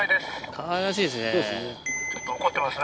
かわいらしいですね。